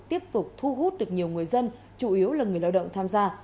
tiếp tục thu hút được nhiều người dân chủ yếu là người lao động tham gia